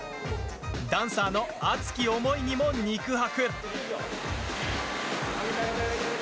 ダンサーの熱き思いにも肉薄。